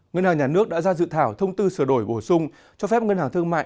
ngân hàng nhà nước đã ra dự thảo thông tư sửa đổi bổ sung cho phép ngân hàng thương mại